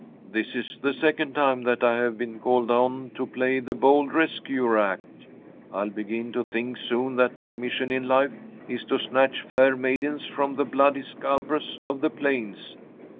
"This is the second time that I have been called on to play the bold rescuer act. I'll begin to think soon that my mission in life is to snatch fair maidens from the bloody scalpers of the plains."